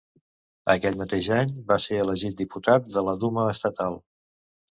Aquell mateix any, va ser elegit diputat de la Duma Estatal.